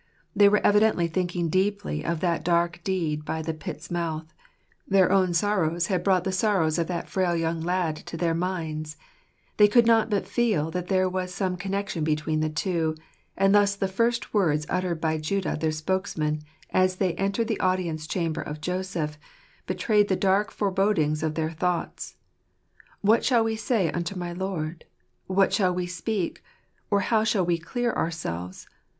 They were evidently thinking deeply of that dark deed by the pit's mouth; their own sorrows had brought the sorrows of that frail young lad to their minds; they could not but feel that there was some connection between the two; and thus the first words uttered by Judah their spokesman, as they entered the audience chamber of Joseph, betrayed the dark forebodings of their thoughts :" What shall we say unto my Lord ? What shall we speak ? or how shall we clear ourselves?